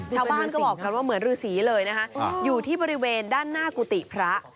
ชาวบ้านก็บอกกันว่าเหมือนฤษีเลยนะคะอยู่ที่บริเวณด้านหน้ากุฏิพระ